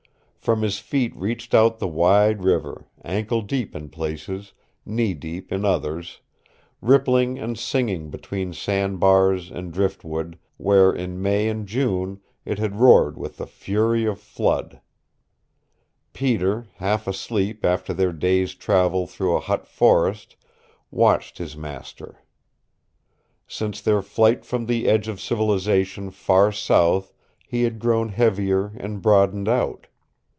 From his feet reached out the wide river, ankle deep in places, knee deep in others, rippling and singing between sandbars and driftwood where in May and June it had roared with the fury of flood Peter, half asleep after their day's travel through a hot forests watched his master. Since their flight from the edge of civilization far south he had grown heavier and broadened out.